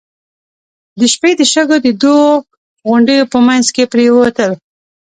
د شپې د شګو د دوو غونډيو په مينځ کې پرېوتل.